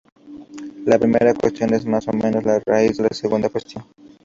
La primera cuestión es más o menos la raíz de la segunda cuestión.